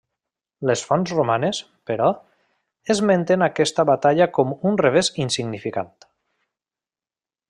Les fonts romanes, però, esmenten aquesta batalla com un revés insignificant.